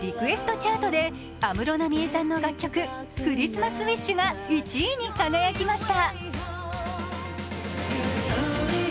チャートで安室奈美恵さんの楽曲「ＣｈｒｉｓｔｍａｓＷｉｓｈ」が１位に輝きました。